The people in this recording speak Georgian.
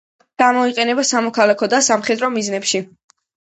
გამოიყენება სამოქალაქო და სამხედრო მიზნებში.